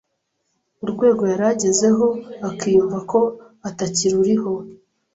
urwego yari agezeho akiyumva ko atakiruriho.